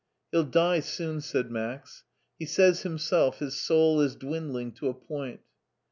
" He'll die soon," said Max ;" he says himself his soul is dwindling to a point."